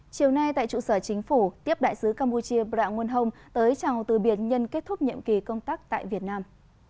chiều nay tại trụ sở chính phủ tiếp đại sứ campuchia bram nguyen hong tới trào từ biển nhân kết thúc nhiệm kỳ công tác tại việt nam